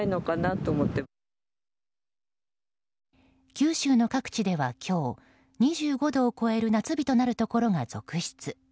九州の各地では今日２５度を超える夏日となるところが続出。